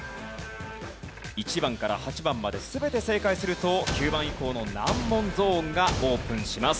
１番から８番まで全て正解すると９番以降の難問ゾーンがオープンします。